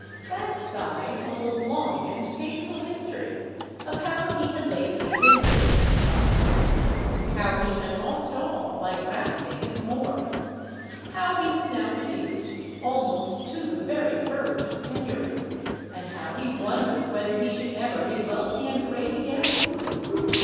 That sigh told a long and painful history,—of how he had lately been rich and prosperous—how he had lost all by grasping at more—how he was now reduced almost to the very verge of penury—and how he wondered whether he should ever be wealthy and great again!